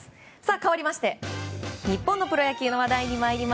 かわりまして日本のプロ野球の話題です。